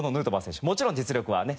もちろん実力はね